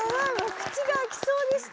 口が開きそうでした！